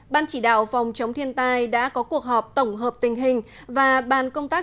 ban chỉ đạo phòng chống thiên tai đã có cuộc họp tổng hợp tình hình và ban công tác